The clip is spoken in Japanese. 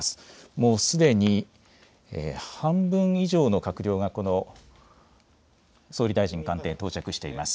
もうすでに半分以上の閣僚が総理大臣官邸、到着しています。